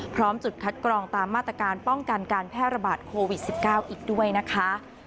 จุดคัดกรองตามมาตรการป้องกันการแพร่ระบาดโควิด๑๙อีกด้วยนะคะ